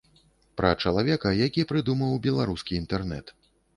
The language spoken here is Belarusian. Пра чалавека, які прыдумаў беларускі інтэрнэт.